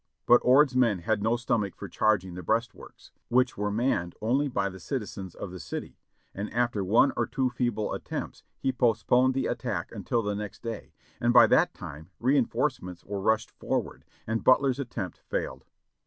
But Ord's men had no stomach for charging the breastworks, which were manned only by the citizens of the city, and after one or two feeble attempts, he postponed the attack until the next day, and by that time reinforcements were rushed forv/ard, and Butler's attempt failed.